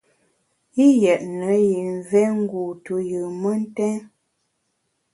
Yi yétne yi mvé ngu tuyùn mentèn.